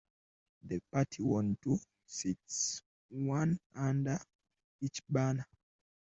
The party won two seats, one under each banner.